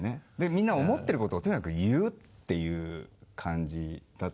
みんな思ってることをとにかく言うっていう感じだったからね。